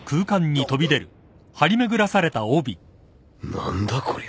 何だこりゃ。